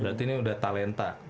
berarti ini udah talenta